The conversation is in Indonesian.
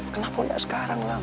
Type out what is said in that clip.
kenapa gak sekarang alam